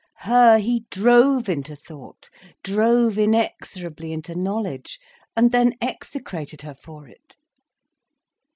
Her he drove into thought, drove inexorably into knowledge—and then execrated her for it.